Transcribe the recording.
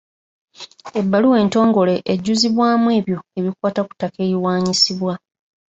Ebbaluwa entongole ejjuzibwamu ebyo ebikwata ku ttaka eriwaanyisibwa.